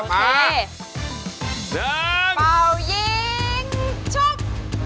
โอเคเริ่มเบาหญิงชุบ